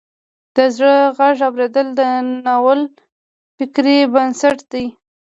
د زړه غږ اوریدل د ناول فکري بنسټ دی.